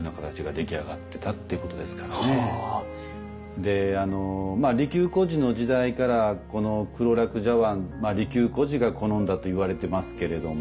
であの利休居士の時代からこの黒樂茶碗利休居士が好んだといわれてますけれども。